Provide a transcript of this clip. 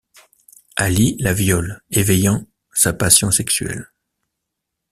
Ali la viole, éveillant sa passion sexuelle.